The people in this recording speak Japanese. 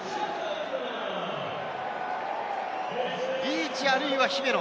リーチ、あるいは姫野。